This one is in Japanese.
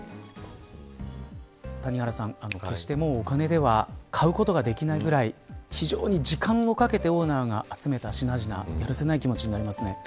谷原さん、決してもうお金では買うことができないぐらい非常に時間をかけてオーナーが集めた品々やるせない気持ちになりますね。